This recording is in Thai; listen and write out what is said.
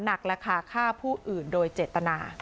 หนักราคาฆ่าผู้อื่นโดยเจตนา